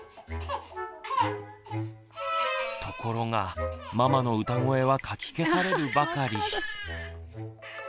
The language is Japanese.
ところがママの歌声はかき消されるばかり。